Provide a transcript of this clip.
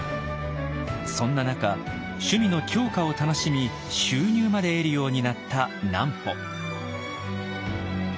そんな中趣味の狂歌を楽しみ収入まで得るようになった南畝。